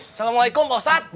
assalamualaikum pak ustadz